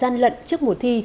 một loại của nó dày